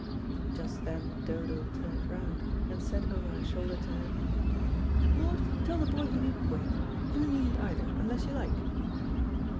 Just then Dodo turned round and said over her shoulder to her, "Maud, tell the boy he needn't wait. You needn't either unless you like."